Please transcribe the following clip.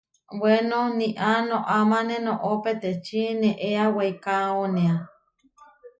Weno niá noʼamáne noʼó peteči neéa weikaónea.